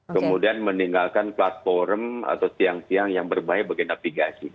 kemudian meninggalkan platform atau tiang tiang yang berbahaya bagi navigasi